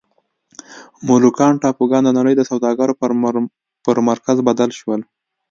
مولوکان ټاپوګان د نړۍ د سوداګرۍ پر مرکز بدل شول.